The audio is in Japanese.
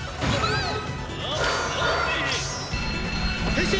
変身！